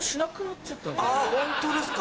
あぁホントですか。